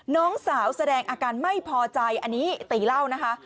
น้องสาวแสดงอาการไม่พอใจอันนี้ตีเล่านะคะ